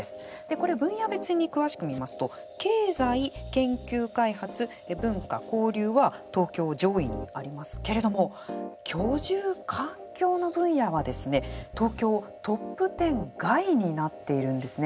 これ、分野別に詳しく見ますと経済、研究・開発、文化・交流は東京、上位にありますけれども居住、環境の分野はですね東京、トップ１０外になっているんですね。